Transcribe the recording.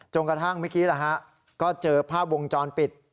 กระทั่งเมื่อกี้ก็เจอภาพวงจรปิด